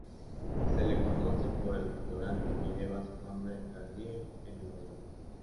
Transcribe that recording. Se le conoce por el restaurante que lleva su nombre, Daniel, en Nueva York.